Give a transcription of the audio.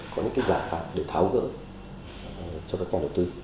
có những giải pháp để tháo gỡ cho các nhà đầu tư